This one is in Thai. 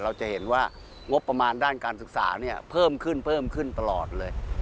เราจะเห็นว่างบประมาณด้านการศึกษาเนี่ยเพิ่มขึ้นเพิ่มขึ้นตลอดเลย